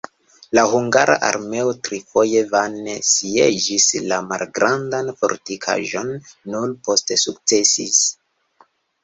La hungara armeo trifoje vane sieĝis la malgrandan fortikaĵon, nur poste sukcesis.